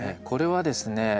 これはですね